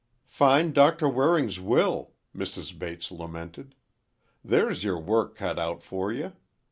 "Find Doctor Waring's will," Mrs. Bates lamented. "There's your work cut out for you.